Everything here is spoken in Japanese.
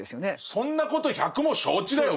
そんなこと百も承知だよ